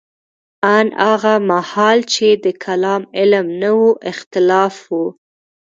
ان هغه مهال چې د کلام علم نه و اختلاف وو.